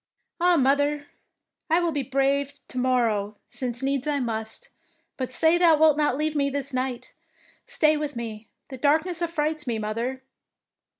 "" Ah, mother, I will be brave to mor row, since needs I must. But say thou wilt not leave me this night? Stay with me; the darkness affrights me, mother."